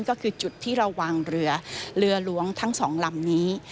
ก็คือจุดที่เราวางเรือเรือหลวงทั้งสองลำนี้